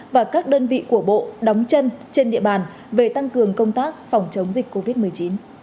và các đơn vị của bộ đóng chân trên địa bàn về tăng cường công tác phòng chống dịch covid một mươi chín